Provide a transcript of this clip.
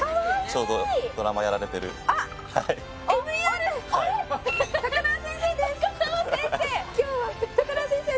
ちょうどドラマやられてる高輪先生！